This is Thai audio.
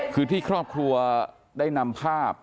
คือที่ครอบครัวได้นำภาพ